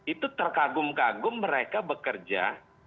itu terkagum kagum mereka bekerja